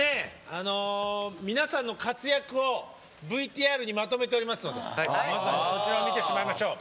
あの皆さんの活躍をＶＴＲにまとめておりますのでまずはそちらを見てしまいましょう。